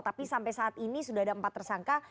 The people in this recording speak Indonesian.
tapi sampai saat ini sudah ada empat tersangka